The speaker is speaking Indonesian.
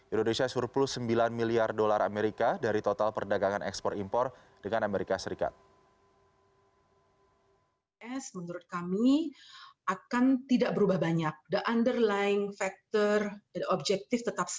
indonesia surplus sembilan miliar dolar amerika dari total perdagangan ekspor impor dengan amerika serikat